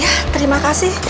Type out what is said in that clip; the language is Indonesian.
ya terima kasih